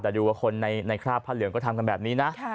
แต่ดูว่าคนในคราบผ้าเหลืองก็ทำกันแบบนี้นะ